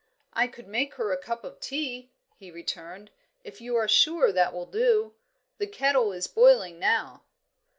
"I could make her a cup of tea," he returned, "if you are sure that will do. The kettle is boiling now."